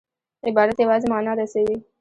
عبارت یوازي مانا رسوي.